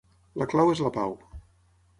La clau és la pau.